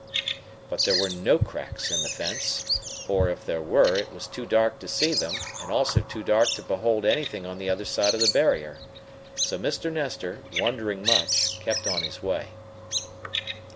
But there were no cracks in the fence, or, if there were, it was too dark to see them, and also too dark to behold anything on the other side of the barrier. So Mr. Nestor, wondering much, kept on his way.